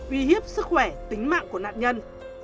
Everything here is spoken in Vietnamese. uy hiếp sức khỏe tính mạng của nạn nhân